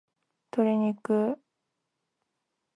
鶏肉